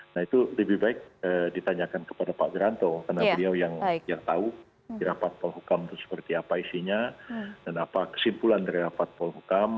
nah itu lebih baik ditanyakan kepada pak wiranto karena beliau yang tahu di rapat polhukam itu seperti apa isinya dan apa kesimpulan dari rapat polhukam